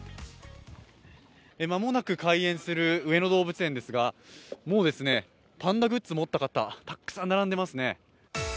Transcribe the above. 間もなく開園する上野動物園ですが、もうパンダグッズ持った方たくさん並んでますね。